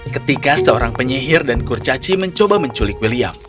ketika seorang penyihir dan kurcaci mencoba menculik william